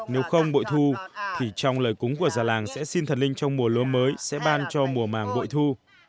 nếu không bội thu thì trong lời cúng của già làng sẽ xin thần linh trong mùa lúa mới sẽ ban cho mùa màng bội thu